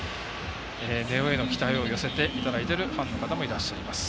根尾への期待を寄せていただいているファンの方がいらっしゃいます。